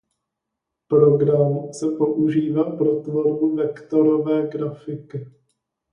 Program se používá pro tvorbu vektorové grafiky.